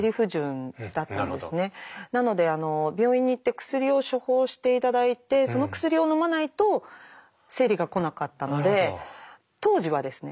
なので病院に行って薬を処方して頂いてその薬をのまないと生理が来なかったので当時はですね